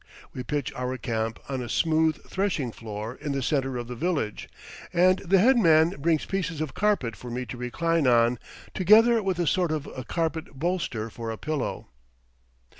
We pitch our camp on a smooth threshing floor in the centre of the village, and the headman brings pieces of carpet for me to recline on, together with a sort of a carpet bolster for a pillow.